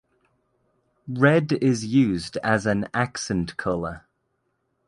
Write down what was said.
Red is used as an "accent color".